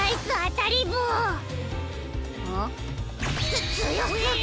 つつよすぎ。